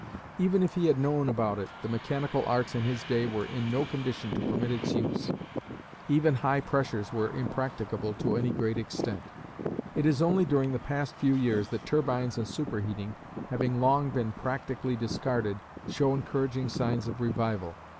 Even if he had known about it the mechanical arts in his day were in no condition to permit its use. Even high pressures were impracticable to any great extent. It is only during the past few years that turbines and superheating, having long been practically discarded, show encouraging signs of revival.